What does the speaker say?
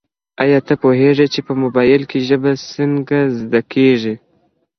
ایا ته پوهېږې چي په موبایل کي ژبه څنګه زده کیږي؟